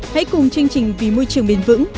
hãy cùng chương trình vì môi trường bền vững